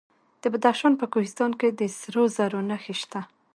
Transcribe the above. د بدخشان په کوهستان کې د سرو زرو نښې شته.